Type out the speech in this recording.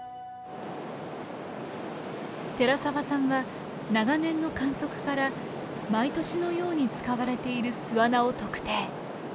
寺沢さんは長年の観測から毎年のように使われている巣穴を特定。